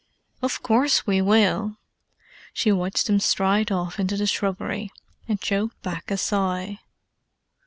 "Of course we will." She watched them stride off into the shrubbery, and choked back a sigh.